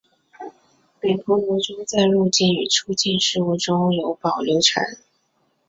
北婆罗洲在入境与出境事务中有保留权。